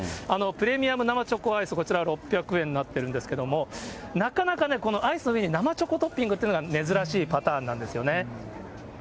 プレミアム生チョコアイス、こちら６００円になっているんですけれども、なかなかね、このアイスの上に生チョコトッピングというのが、珍しいパターンなんですよね。